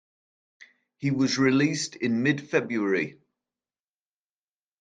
He was released in mid-February.